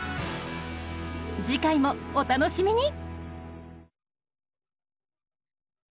次回もお楽しみに！